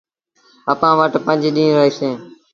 اَپآن وٽ پنج ڏيٚݩهݩ رهيٚسي۔